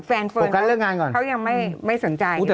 แฟนเฟิร์นเขายังไม่สนใจ